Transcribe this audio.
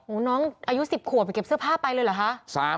น้องอายุ๑๐ขวบไปเก็บเสื้อผ้าไปเลยเหรอคะ